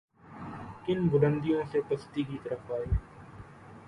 کن بلندیوں سے پستی کی طرف آئے۔